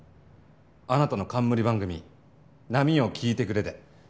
あなたの冠番組『波よ聞いてくれ』で。